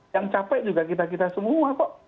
yang capek juga kita kita semua kok